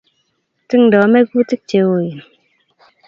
Tingdoi mekutik che ooen